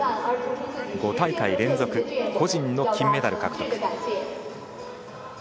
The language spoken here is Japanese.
５大会連続、個人の金メダル獲得。